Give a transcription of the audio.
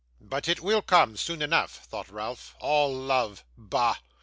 'But it will come soon enough,' thought Ralph; 'all love bah!